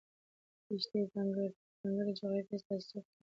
دښتې د ځانګړې جغرافیې استازیتوب کوي.